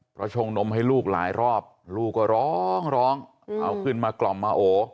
เพราะชงนมให้ลูกหลายรอบลูกก็ร้องร้องเอาขึ้นมากล่อมมาโอ